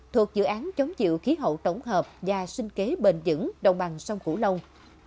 thuộc dự án chống chịu khí hậu tổng hợp và sinh kế bền dững đồng bằng sông củ lông